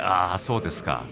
そうですね。